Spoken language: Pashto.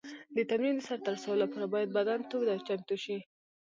د تمرین د سر ته رسولو لپاره باید بدن تود او چمتو شي.